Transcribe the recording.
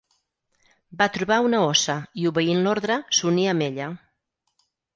Va trobar una óssa, i obeint l'ordre, s'uní amb ella.